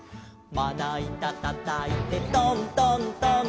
「まないたたたいてトントントン」